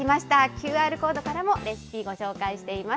ＱＲコードからもレシピ、ご紹介しています。